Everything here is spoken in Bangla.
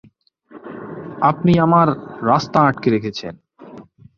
আপনি আমার রাস্তা আটকে রেখেছেন।